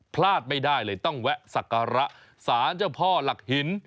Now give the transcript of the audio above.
พลาดไม่ได้เลยต้องแวะสักการะสารเจ้าพ่อหลักหิน